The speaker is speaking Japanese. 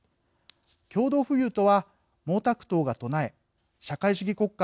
共同富裕とは毛沢東が唱え社会主義国家